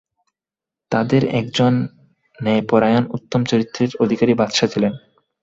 তাদের একজন ন্যায়পরায়ণ উত্তম চরিত্রের অধিকারী বাদশাহ ছিলেন।